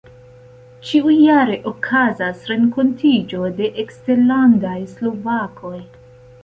Ĉiujare okazas renkontiĝo de eksterlandaj slovakoj.